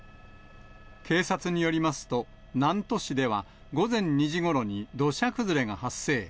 警察によりますと、南砺市では午前２時ごろに土砂崩れが発生。